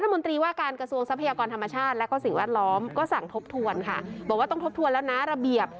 มนตรีว่าการกระทรวงทรัพยากรธรรมชาติและก็สิ่งแวดล้อมก็สั่งทบทวนค่ะบอกว่าต้องทบทวนแล้วนะระเบียบ